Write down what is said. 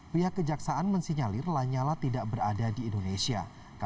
pihak kejaksaan mensinyalir lanyala tidak berada di indonesia